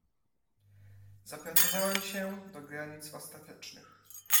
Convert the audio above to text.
"Zapracowałem się do granic ostatecznych."